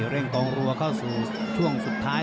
กองรัวเข้าสู่ช่วงสุดท้าย